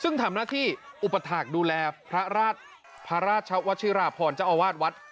ซึ่งถามหน้าที่อุปฐาคดูแลพระราชพระราชเช้าวัดชิราพรเจ้าอาวาสวัด